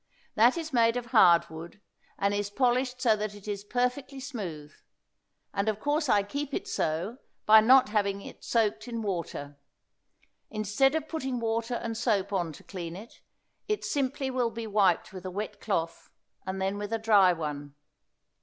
That is made of hard wood, and is polished so that it is perfectly smooth, and of course I keep it so by not having it soaked in water. Instead of putting water and soap on to clean it, it simply will be wiped with a wet cloth, and then with a dry one.